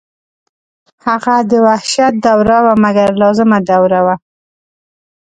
هغه د وحشت دوره وه مګر لازمه دوره وه.